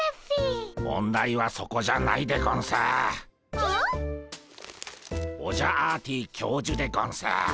ピ？オジャアーティ教授でゴンス。